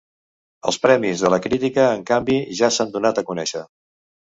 Els premis de la crítica, en canvi, ja s’han donat a conèixer.